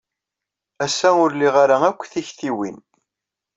Ass-a, ur liɣ ara akk tiktiwin.